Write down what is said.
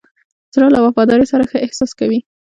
زړه له وفادارۍ سره ښه احساس کوي.